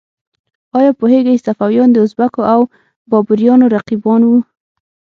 ایا پوهیږئ صفویان د ازبکو او بابریانو رقیبان وو؟